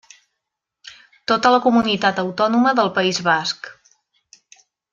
Tota la Comunitat Autònoma del País Basc.